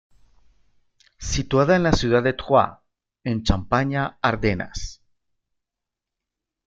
Situada en la ciudad de Troyes, en Champaña-Ardenas.